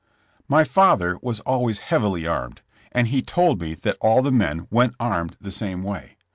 My father was alwaj^s heavily armed, and he told me that all the men went armed the same way.